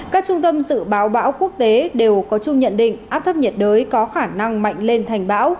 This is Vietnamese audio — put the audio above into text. các trung tâm dự báo bão quốc tế đều có chung nhận định áp thấp nhiệt đới có khả năng mạnh lên thành bão